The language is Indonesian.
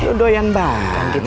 lu doyan banget